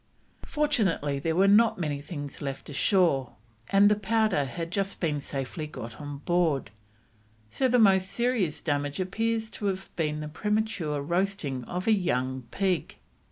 Fortunately there were not many things left ashore, and the powder had just been safely got on board, so the most serious damage appears to have been the premature roasting of a young pig.